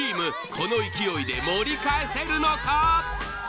この勢いで盛り返せるのか？